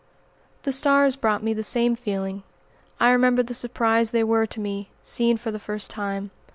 The stars brought me the same feeling. I remember the surprise they were to me, seen for the first time.